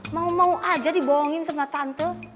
mau mau aja dibohongin sama tante